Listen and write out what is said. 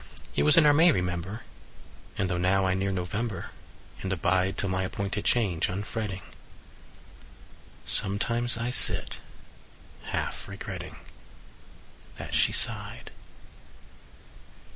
It was in our May, remember; And though now I near November, And abide Till my appointed change, unfretting, Sometimes I sit half regretting That she sighed.